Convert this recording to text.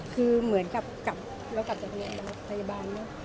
คือเหมือนกับเรากลับจากพยาบาลนะ